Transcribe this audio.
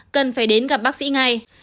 cần phải đến gặp bác sĩ ngay